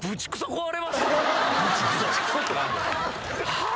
はあ？